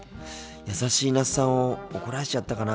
優しい那須さんを怒らせちゃったかなあ。